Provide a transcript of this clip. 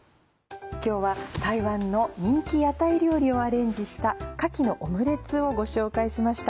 今日は台湾の人気屋台料理をアレンジしたかきのオムレツをご紹介しました。